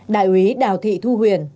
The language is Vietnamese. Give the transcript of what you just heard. đại quý đào thị thu huyền